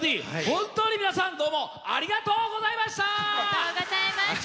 本当に皆さんどうもありがとうございました！